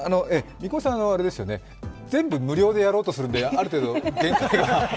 三雲さんは全部無料でやろうとするんで、ある程度、限界が。